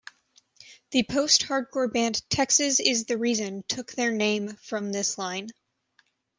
The post-hardcore band Texas Is the Reason took their name from this line.